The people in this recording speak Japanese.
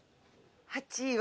８位は。